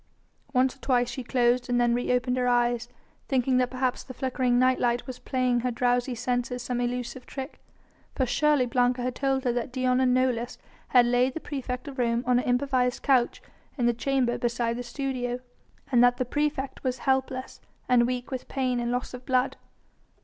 Once or twice she closed and then reopened her eyes, thinking that perhaps the flickering night light was playing her drowsy senses some elusive trick. For surely Blanca had told her that Dion and Nolus had laid the praefect of Rome on an improvised couch in the chamber beside the studio, and that the praefect was helpless and weak with pain and loss of blood.